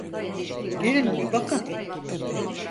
Gelin bakın.